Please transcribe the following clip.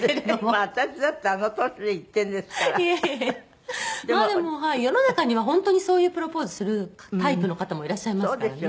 まあでも世の中には本当にそういうプロポーズするタイプの方もいらっしゃいますからね。